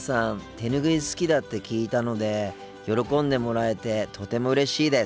手拭い好きだって聞いたので喜んでもらえてとてもうれしいです！